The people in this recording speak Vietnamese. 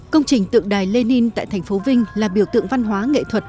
công trình tượng đài lenin tại thành phố vinh là biểu tượng văn hóa nghệ thuật